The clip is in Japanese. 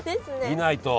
見ないと。